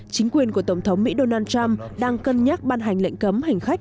chính quyền của tổng thống mỹ donald trump đang cân nhắc ban hành lệnh cấm hành khách